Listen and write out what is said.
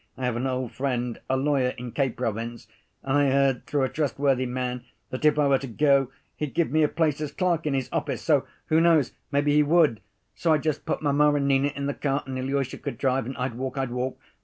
I have an old friend, a lawyer in K. province, and I heard through a trustworthy man that if I were to go he'd give me a place as clerk in his office, so, who knows, maybe he would. So I'd just put mamma and Nina in the cart, and Ilusha could drive, and I'd walk, I'd walk....